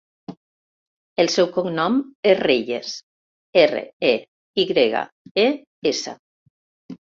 El seu cognom és Reyes: erra, e, i grega, e, essa.